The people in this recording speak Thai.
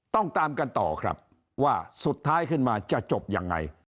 ตามกันต่อครับว่าสุดท้ายขึ้นมาจะจบยังไง